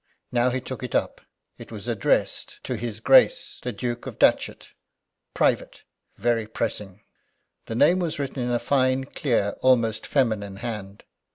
Now he took it up. It was addressed: "To His Grace "The Duke of Datchet. "Private! "Very Pressing!!!" The name was written in a fine, clear, almost feminine hand.